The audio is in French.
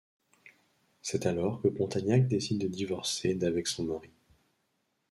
C'est alors que Pontagnac décide de divorcer d'avec son mari.